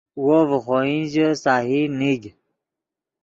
وو ڤے خوئن ژے سہی نیگ